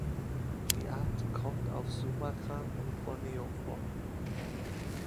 Die Art kommt auf Sumatra und Borneo vor.